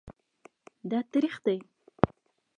دا تریخ دی